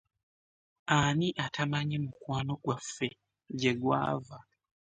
Ani atamanyi mukwano gwaffe gye gwava?